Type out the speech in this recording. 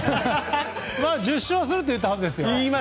まあ、１０勝するって言ったはずですよ。